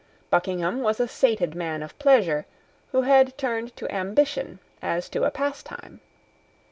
Buckingham was a sated man of pleasure, who had turned to ambition as to a pastime.